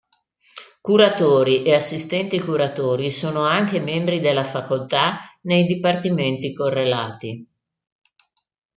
Curatori e assistenti curatori sono anche membri della facoltà nei dipartimenti correlati.